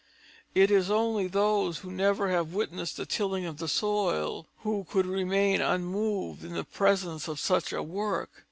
It is only those who never have witnessed the tilling of the soil who could remain unmoved in the presence of such a work.